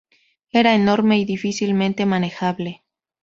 Era enorme y difícilmente manejable.